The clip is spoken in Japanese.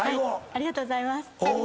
ありがとうございます。